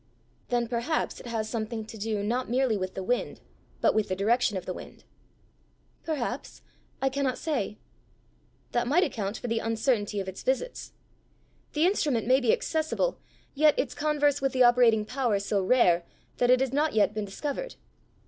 "Then perhaps it has something to do not merely with the wind, but with the direction of the wind!" "Perhaps. I cannot say." "That might account for the uncertainty of its visits! The instrument may be accessible, yet its converse with the operating power so rare that it has not yet been discovered.